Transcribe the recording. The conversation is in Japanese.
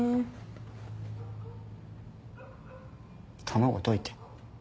卵溶いて。